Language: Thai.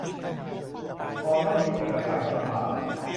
พอไม่มีเอกสารก็ลำบาก